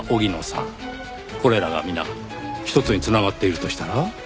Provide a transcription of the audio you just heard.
これらが皆ひとつに繋がっているとしたら？